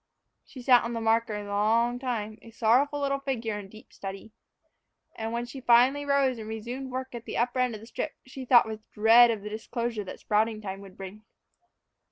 She sat on the marker a long time, a sorrowful little figure, in deep study. And when she finally rose and resumed work at the upper end of the strip, she thought with dread of the disclosure that sprouting time would bring.